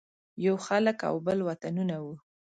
یو خلک او بل وطنونه وو.